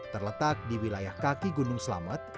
terletak di wilayah kaki gunung selamet